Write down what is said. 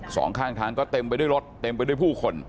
สองข้างทางก็เต็มไปด้วยรถเต็มไปด้วยผู้คน